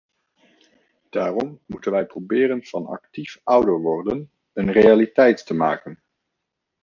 Daarom moeten wij proberen van actief ouder worden een realiteit te maken.